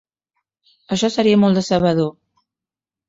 Això seria molt decebedor.